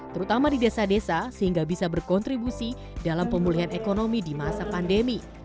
terutama di desa desa sehingga bisa berkontribusi dalam pemulihan ekonomi di masa pandemi